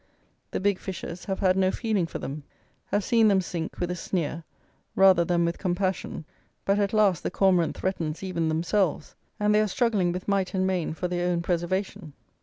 The big fishes have had no feeling for them; have seen them sink with a sneer, rather than with compassion; but, at last, the cormorant threatens even themselves; and they are struggling with might and main for their own preservation.